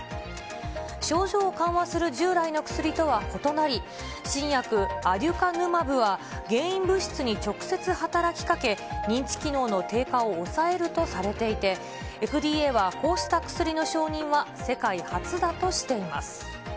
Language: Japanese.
症状を緩和する従来の薬とは異なり、新薬、アデュカヌマブは原因物質に直接働きかけ、認知機能の低下を抑えるとされていて、ＦＤＡはこうした薬の承認は世界初だとしています。